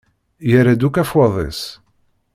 Yerra-d akk afwad-is.